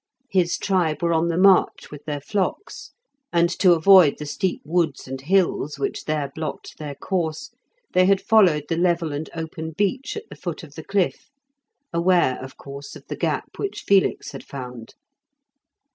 His tribe were on the march with their flocks, and to avoid the steep woods and hills which there blocked their course, they had followed the level and open beach at the foot of the cliff, aware, of course, of the gap which Felix had found.